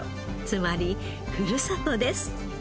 つまりふるさとです。